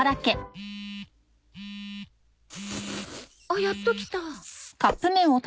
あっやっと来た。